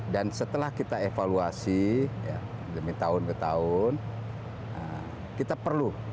dan setelah kita evaluasi demi tahun ke tahun kita perlu